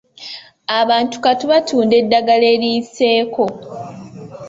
Abantu kati batunda eddagala eriyiseeko.